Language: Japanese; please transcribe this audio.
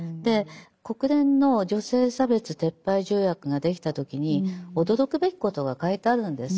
国連の女性差別撤廃条約ができた時に驚くべきことが書いてあるんです。